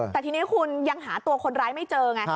แต่ทีนี้คุณยังหาตัวคนร้ายไม่เจอไง